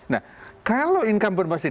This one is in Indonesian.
nah kalau incumbent masih